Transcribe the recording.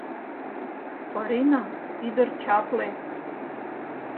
Орина — ӱдыр чапле!